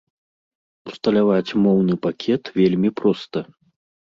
Усталяваць моўны пакет вельмі проста.